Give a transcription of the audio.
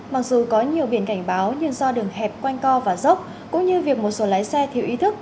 mặc dù có nhiều biển cảnh báo nhưng do đường hẹp quanh co và dốc cũng như việc một số lái xe thiếu ý thức